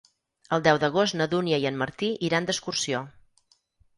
El deu d'agost na Dúnia i en Martí iran d'excursió.